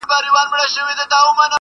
• سترګي له نړۍ څخه پټي کړې -